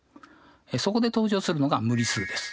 そこで登場するのが無理数です。